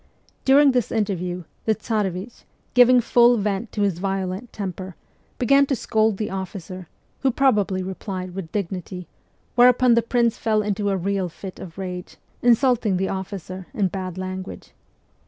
During this interview, the Tsarevich, giving full vent to his violent temper, began to scold the officer, who probably replied with dignity, whereupon the prince fell into a real fit of rage, insulting the officer in bad language.